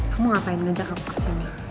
kamu ngapain ngejak aku pas ini